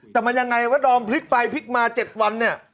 แต่มันยังไงวะดอมพลิกไปพลิกมา๗วันเนี่ย